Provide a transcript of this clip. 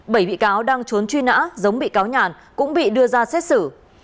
bảy bị cáo đang trốn truy nã giống bị cáo nhàn cũng bị đưa ra xét xử